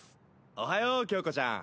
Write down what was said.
おはよう響子ちゃん。